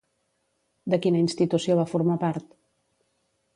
De quina institució va formar part?